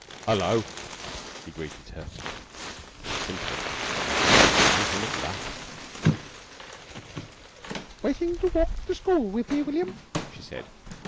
"'Ullo!" he greeted her. She simpered. She had won him at last. "Waitin' to walk to the school with me, William?" she said.